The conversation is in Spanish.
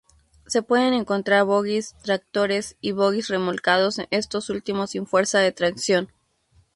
Se pueden encontrar bogies tractores y bogies remolcados, estos últimos sin fuerza de tracción.